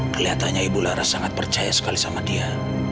kelihatannya ibu laras sangat percaya sekali sama dia